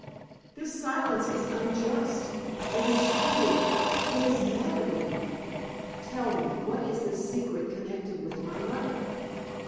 This silence is unjust; it is cruel; it is maddening! Tell me, what is this secret connected with my mother?